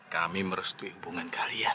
kami merestui hubungan kalian